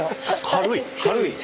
軽い。